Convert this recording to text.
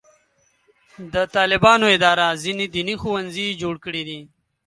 د طالبانو اداره ځینې دیني ښوونځي جوړ کړي دي.